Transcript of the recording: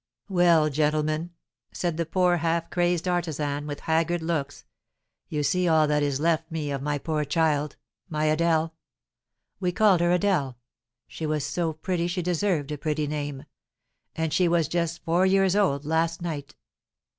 "Well, gentlemen," said the poor, half crazed artisan, with haggard looks, "you see all that is left me of my poor child, my Adèle, we called her Adèle, she was so pretty she deserved a pretty name; and she was just four years old last night.